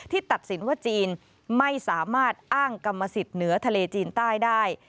ตัดสินว่าจีนไม่สามารถอ้างกรรมสิทธิ์เหนือทะเลจีนใต้ได้